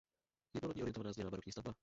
Jednolodní orientovaná zděná barokní stavba.